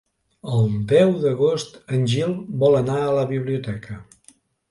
El deu d'agost en Gil vol anar a la biblioteca.